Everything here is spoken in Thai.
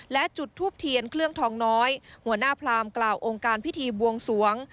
และจุดทูปเทียนเครื่องทองน้อยหัวหน้าพรามกล่าวองค์การพิธีบวงสวง